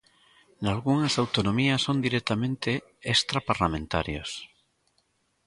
Nalgunhas autonomías son directamente extra parlamentarios.